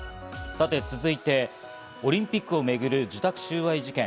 さて続いて、オリンピックを巡る受託収賄事件。